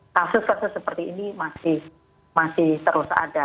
kasus kasus seperti ini masih terus ada